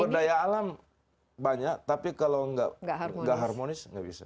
sumber daya alam banyak tapi kalau nggak harmonis nggak bisa